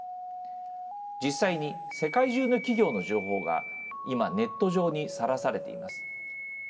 実際に世界中の企業の情報が今ネット上にさらされています。